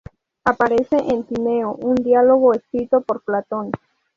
Aparece en "Timeo", un diálogo escrito por Platón.